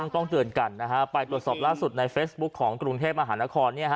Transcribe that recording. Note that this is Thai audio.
ต้องเตือนกันไปตรวจสอบล่าสุดในเฟซบุ๊คของกรุงเทพมหานคร